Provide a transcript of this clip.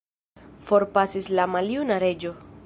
Forpasis la maljuna reĝo.